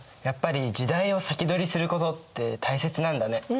やっぱり時代を先取りすることって大切なんだね。